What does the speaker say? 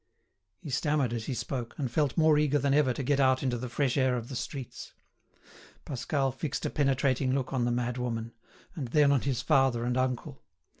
He stammered as he spoke, and felt more eager than ever to get out into the fresh air of the streets. Pascal fixed a penetrating look on the madwoman, and then on his father and uncle.